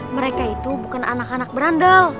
mereka itu bukan anak anak berandal